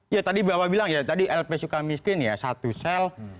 ya tadi bapak bilang ya tadi lp suka miskin ya satu sel